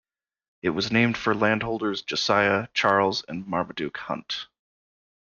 It was named for landholders Josiah, Charles and Marmaduke Hunt.